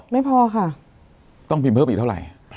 ไม่พอค่ะต้องพิมพ์เพิ่มอีกเท่าไหร่